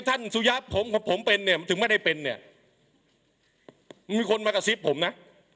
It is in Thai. สุยะผมผมเป็นเนี่ยมันถึงไม่ได้เป็นเนี่ยมีคนมากระซิบผมนะ